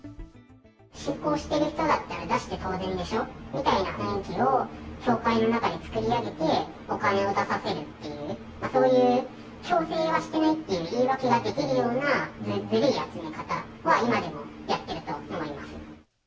信仰している人だったら出して当然でしょうみたいな雰囲気を教会の中で作り上げて、お金を出させるっていう、そういう強制はしていないという言い訳ができるようなずるい集め方は、今でもやっていると思います。